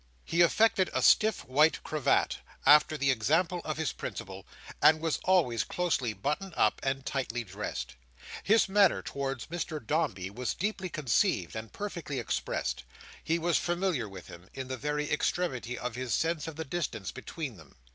He affected a stiff white cravat, after the example of his principal, and was always closely buttoned up and tightly dressed. His manner towards Mr Dombey was deeply conceived and perfectly expressed. He was familiar with him, in the very extremity of his sense of the distance between them.